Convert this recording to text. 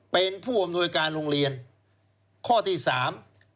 เป็นผู้อำนวยการโรงเรียนข้อที่สาม